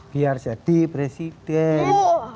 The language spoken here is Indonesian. biar jadi presiden